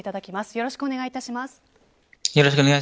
よろしくお願いします。